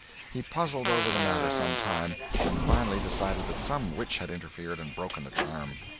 He puzzled over the matter some time, and finally decided that some witch had interfered and broken the charm.